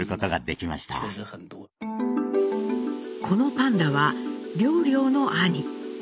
このパンダは良良の兄。